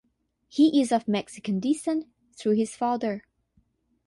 He is of Mexican descent through his father.